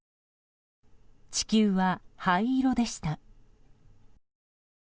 地球は灰色でした。